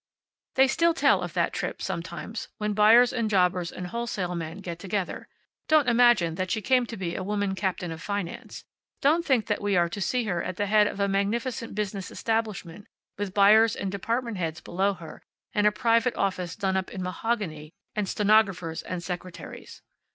They still tell of that trip, sometimes, when buyers and jobbers and wholesale men get together. Don't imagine that she came to be a woman captain of finance. Don't think that we are to see her at the head of a magnificent business establishment, with buyers and department heads below her, and a private office done up in mahogany, and stenographers and secretaries.